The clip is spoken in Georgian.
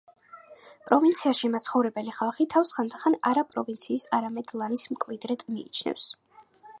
პროვინციაში მაცხოვრებელი ხალხი თავს ხანდახან არა პროვინციის არამედ ლანის მკვიდრად მიიჩნევს.